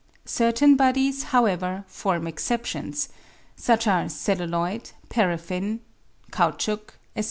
Certain bodies, however, form exceptions ; such are celluloid, paraffin, caoutchouc, &c.